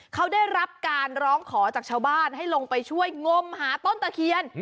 เขาได้รับการร้องขอจากชาวบ้านให้ลงไปช่วยงมหาต้นตะเคียน